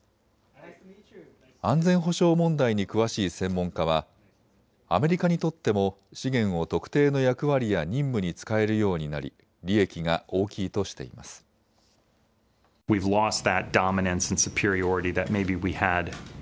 安全保障問題に詳しい専門家はアメリカにとっても資源を特定の役割や任務に使えるようになり利益が大きいとしています。